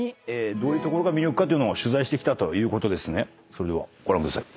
それではご覧ください。